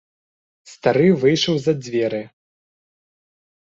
Стары выйшаў за дзверы.